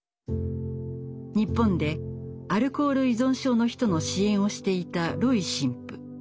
日本でアルコール依存症の人の支援をしていたロイ神父。